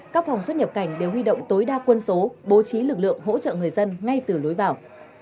các phòng xuất nhập cảnh đều huy động tối đa quân số bố trí lực lượng hỗ trợ người dân ngay từ lối vào